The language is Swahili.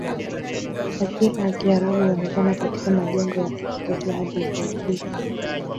Athira ya Kiarabu huonekana katika majengo ya kihistoria hadi leo hii.